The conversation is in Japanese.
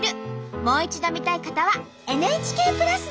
もう一度見たい方はＮＨＫプラスで。